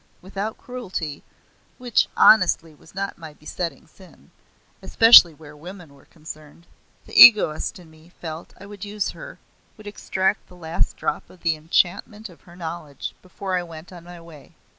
Without cruelty, which honestly was not my besetting sin especially where women were concerned, the egoist in me felt I would use her, would extract the last drop of the enchantment of her knowledge before I went on my way.